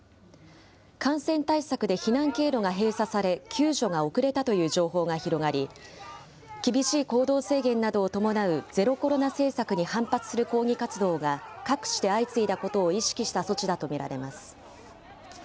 感染対策で避難経路が閉鎖され、救助が遅れたという情報が広がり、厳しい行動制限などを伴うゼロコロナ政策に反発する抗議活動が各地で相次いだことを意識した措置だと見られます。